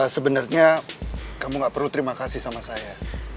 sebenarnya kamu gak perlu terima kasih sama saya